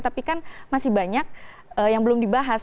tapi kan masih banyak yang belum dibahas